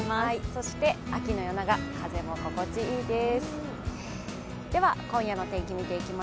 そして秋の夜長、風も心地いいです。